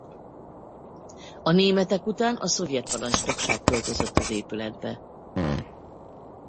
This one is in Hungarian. A németek után a szovjet parancsnokság költözött az épületbe.